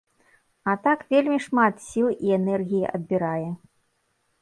А так вельмі шмат сіл і энергіі адбірае.